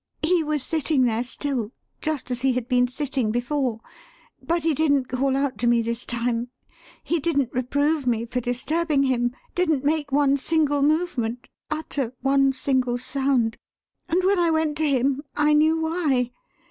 He was sitting there still just as he had been sitting before. But he didn't call out to me this time; he didn't reprove me for disturbing him; didn't make one single movement, utter one single sound. And when I went to him I knew why.